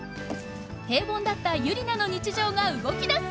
平凡だったユリナの日常が動きだす！